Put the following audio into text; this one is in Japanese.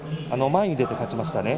前に出て勝ちましたね。